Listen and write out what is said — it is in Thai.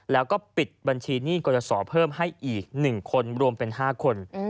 แล้วก็ปิดบัญชีหนี้กรสอเพิ่มให้อีก๑คนรวมเป็น๕คน